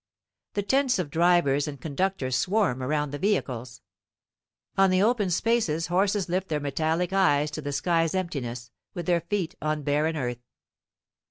The tents of drivers and conductors swarm around the vehicles. On the open spaces horses lift their metallic eyes to the sky's emptiness, with their feet on barren earth.